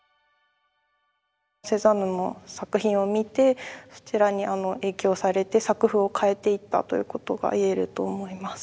セザンヌの作品を見てそちらに影響されて作風を変えていったということが言えると思います。